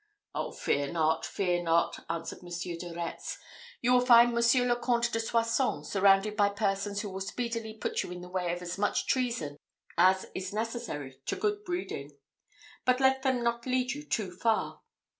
"Oh, fear not! fear not!" answered Monsieur de Retz. "You will find Monsieur le Comte de Soissons surrounded by persons who will speedily put you in the way of as much treason as is necessary to good breeding. But let them not lead you too far.